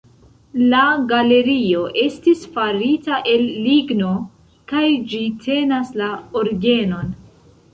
La galerio estis farita el ligno kaj ĝi tenas la orgenon.